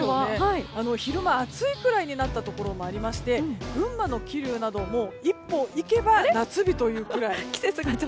昼、暑いぐらいになったところもありまして群馬の桐生なども一歩行けば夏日というぐらい。